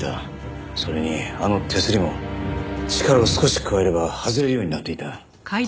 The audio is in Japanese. それにあの手すりも力を少し加えれば外れるようになっていた。